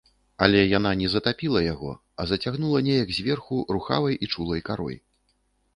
Але яна не затапіла яго, а зацягнула нейк зверху рухавай і чулай карой.